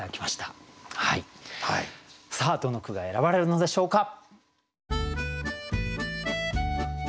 どの句が選ばれるのでしょうか。